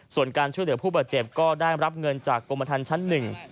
ส่วนการช่วยเหลือผู้บาดเจ็บก็ได้รับเงินจากกรมทันชั้นหนึ่ง